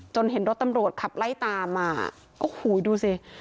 เห็นรถตำรวจขับไล่ตามมาโอ้โหดูสิ